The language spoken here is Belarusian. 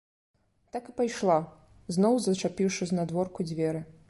Так і пайшла, зноў зашчапіўшы знадворку дзверы.